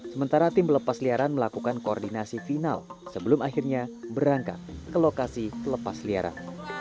sementara tim pelepas liaran melakukan koordinasi final sebelum akhirnya berangkat ke lokasi pelepas liaran